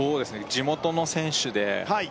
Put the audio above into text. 地元の選手ではい